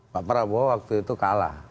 pak prabowo waktu itu kalah